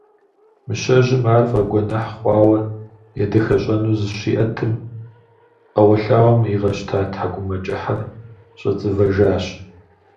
Мыщэжьым ар фӀэгуэныхь хъуауэ едэхэщӀэну зыщиӀэтым, Ӏэуэлъауэм игъэщта ТхьэкӀумэкӀыхьыр, щӀэцӀывэжащ.